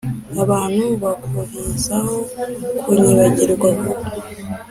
abantu bakurizaho kunyibagirwa vuba